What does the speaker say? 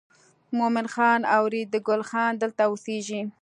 مومن خان او ریډي ګل خان دلته اوسېږي.